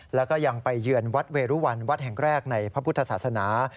แล้วก็ยังไปเยือนวัดเวรุวันวัดแห่งแรกในพระพุทธศาสนา